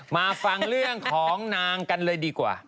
มาฟังเรื่องของนางกันเลยดีกว่า